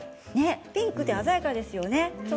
ピンクで鮮やかですよね。